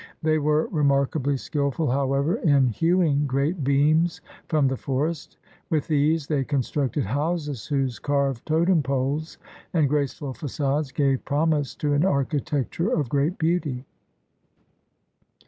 They were remarkably skillful, however, in hewing great beams from the forest. With these they constructed houses whose carved totem poles and graceful fagades gave promise of an architecture of great beauty.